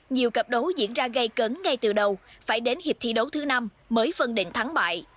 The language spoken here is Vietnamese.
nhiều cặp đấu diễn ra gây cấn ngay từ đầu phải đến hiệp thi đấu thứ năm mới phân định thắng bại